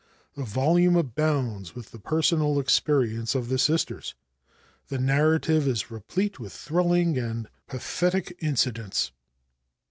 The volume abounds with the personal experience of the Sisters. The narrative is replete with thrilling and pathetic incidents.